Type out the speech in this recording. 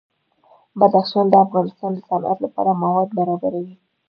بدخشان د افغانستان د صنعت لپاره مواد برابروي.